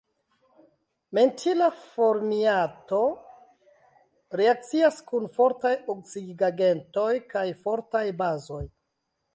Mentila formiato reakcias kun fortaj oksidigagentoj kaj fortaj bazoj.